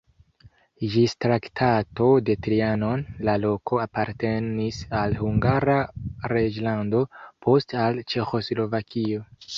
Ĝis Traktato de Trianon la loko apartenis al Hungara reĝlando, poste al Ĉeĥoslovakio.